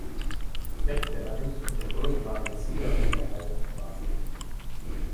Zweck der Errichtung der Burg war die Sicherung der Heidenstraße.